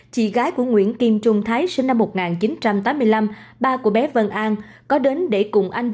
chị gái của nguyễn kim trung thái sinh năm một nghìn chín trăm tám mươi năm ba của bé vân an